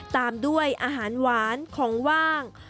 ตามด้วยอาหารหวานของว่าง